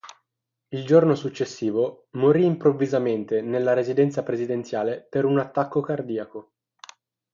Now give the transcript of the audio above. Il giorno successivo, morì improvvisamente nella residenza presidenziale per un attacco cardiaco.